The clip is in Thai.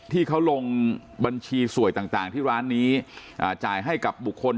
ที่เขาลงบัญชีสวยต่างที่ร้านนี้จ่ายให้กับบุคคล